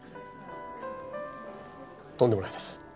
とんでもないです。